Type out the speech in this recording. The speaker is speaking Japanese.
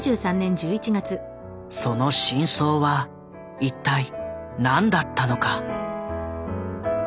その真相は一体何だったのか。